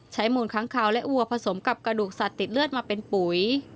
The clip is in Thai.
มูลค้างคาวและวัวผสมกับกระดูกสัตว์ติดเลือดมาเป็นปุ๋ย